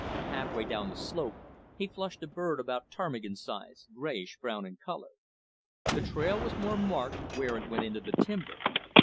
Halfway down the slope he flushed a bird about ptarmigan size, grayish brown in color. The trail was more marked where it went into the timber.